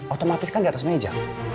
otomatis kan di atas meja